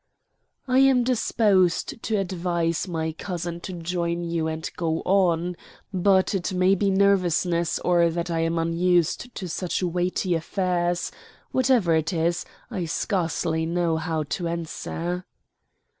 "I am disposed to advise my cousin to join you and go on; but it may be nervousness, or that I am unused to such weighty affairs whatever it is, I scarcely know how to answer."